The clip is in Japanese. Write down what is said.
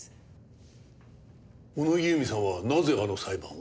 小野木由美さんはなぜあの裁判を？